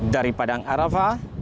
dari padang arafah